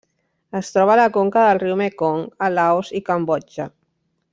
Es troba a la conca del riu Mekong a Laos i Cambodja.